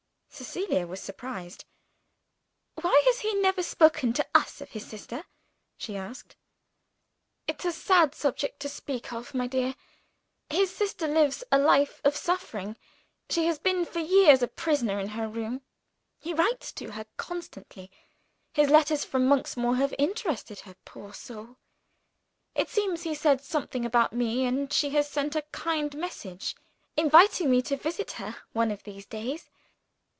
Cecilia was surprised. "Why has he never spoken to us of his sister?" she asked. "It's a sad subject to speak of, my dear. His sister lives a life of suffering she has been for years a prisoner in her room. He writes to her constantly. His letters from Monksmoor have interested her, poor soul. It seems he said something about me and she has sent a kind message, inviting me to visit her one of these days.